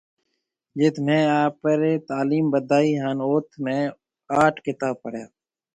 جٿ مهيَ آپري تالِيم وڌائِي هانَ اُٿ مهيَ اَٺ ڪتاب پڙهيَا